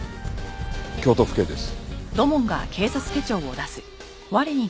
京都府警です。